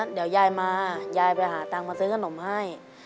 เดี๋ยวยายมายายไปหาตังค์มาซื้อขนมให้